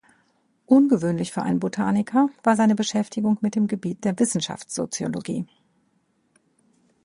Ungewöhnlich für einen Botaniker war seine Beschäftigung mit dem Gebiet der Wissenschaftssoziologie.